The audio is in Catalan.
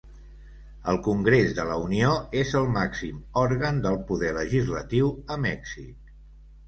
El Congrés de la Unió és el màxim òrgan del poder legislatiu a Mèxic.